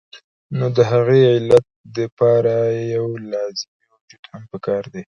نو د هغې علت د پاره يو لازمي وجود هم پکار دے